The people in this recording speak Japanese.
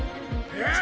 えっ！？